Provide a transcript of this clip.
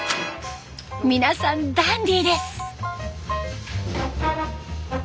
皆さんダンディーです。